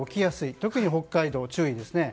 特に北海道、注意ですね。